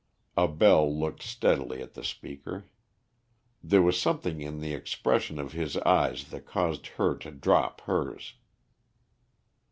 Abell looked steadily at the speaker. There was something in the expression of his eyes that caused her to drop hers.